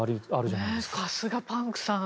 さすがパンクさん。